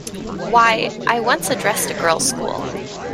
Why, I once addressed a girls' school.